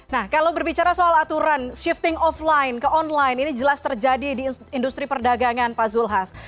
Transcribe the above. nah kalau berbicara soal aturan shifting offline ke online ini jelas terjadi di industri perdagangan pak zulhas